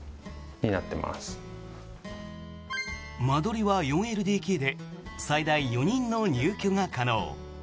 間取りは４ＬＤＫで最大４人の入居が可能。